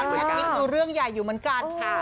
แวดมิ๊กดูเรื่องใหญ่อยู่เหมือนกันค่ะ